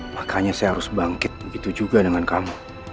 makanya saya harus bangkit begitu juga dengan kamu